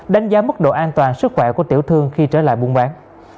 đánh giá mức độ an toàn sức khỏe của tiểu thương khi trở lại buôn bán